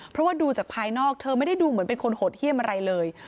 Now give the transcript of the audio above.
เพราะว่าดูจากภายนอกเธอไม่ได้ดูเหมือนเป็นคนโหดเยี่ยมอะไรเลย